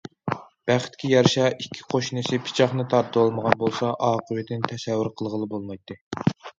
بەختكە يارىشا ئىككى قوشنىسى پىچاقنى تارتىۋالمىغان بولسا ئاقىۋىتىنى تەسەۋۋۇر قىلغىلى بولمايتتى.